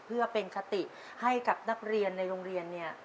เพื่อเป็นคติให้กับนักเรียนในโรงเรียนเนี่ย